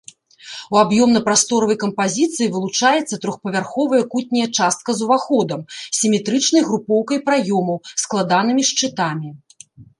У аб'ёмна-прасторавай кампазіцыі вылучаецца трохпавярховая кутняя частка з уваходам, сіметрычнай групоўкай праёмаў, складанымі шчытамі.